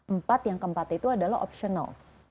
empat yang keempat itu adalah optional